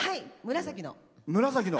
紫の。